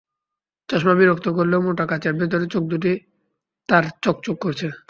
চশমা বিরক্ত করলেও মোটা কাচের ভেতরে চোখ দুটি তার চকচক করছে।